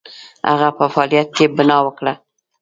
هغه په فعالیت بناء وکړه.